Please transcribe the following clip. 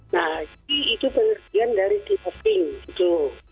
nah jadi itu pengertian dari king of the king gitu